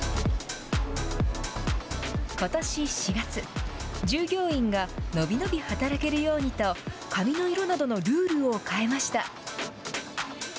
ことし４月従業員が伸び伸び働けるようにと髪の色などのルールを変えました。